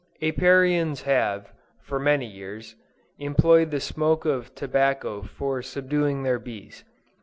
Apiarians have, for many years, employed the smoke of tobacco for subduing their bees.